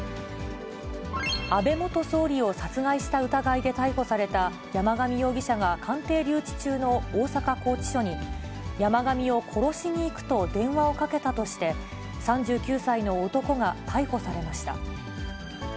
安倍元総理を殺害した疑いで逮捕された、山上容疑者が鑑定留置中の大阪拘置所に、山上を殺しに行くと、電話をかけたとして、３９歳の男が逮捕されました。